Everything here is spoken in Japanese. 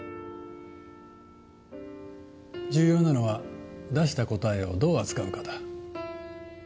重要なのは出した答えをどう扱うかだ。